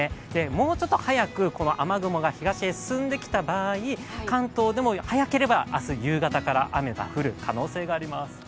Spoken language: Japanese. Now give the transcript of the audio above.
もうちょっと早く雨雲が東へ進んできた場合関東でも早ければ明日夕方から雨が降る可能性があります。